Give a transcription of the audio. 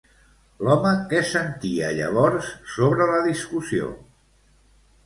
L'home què sentia, llavors, sobre la discussió?